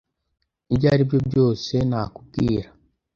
ibyo aribyo byose nakubwira